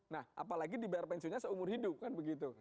nah apalagi dibayar pensiunnya seumur hidup kan begitu